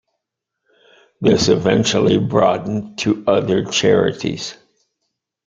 This eventually broadened to other charities.